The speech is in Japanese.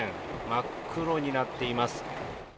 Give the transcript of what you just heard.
真っ黒になっています。